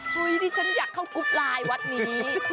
เฮ้ยนี่ฉันอยากเข้ากุ๊บไลน์วัดนี้